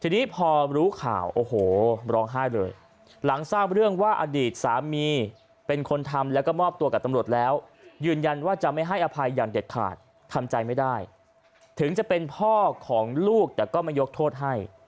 ทีนี้พอรู้ข่าวโอ้โหร้องไห้เลยหลังทราบเรื่องว่าอดีตสามี